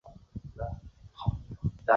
由廿七名司铎名管理廿四个堂区。